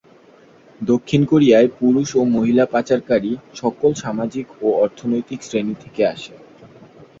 দক্ষিণ কোরিয়ায় পুরুষ ও মহিলা পাচারকারী সকল সামাজিক ও অর্থনৈতিক শ্রেণী থেকে আসে।